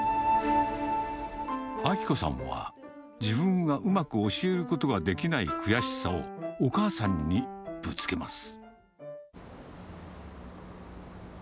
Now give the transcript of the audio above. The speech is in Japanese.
明子さんは、自分がうまく教えることができない悔しさを、お母さんにぶつけます。